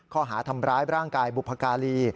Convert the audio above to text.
ข้อหาทำร้ายร่างกายบุพการี